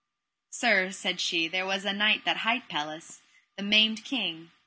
Sir, said she, there was a king that hight Pelles, the maimed king.